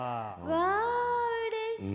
わあうれしい！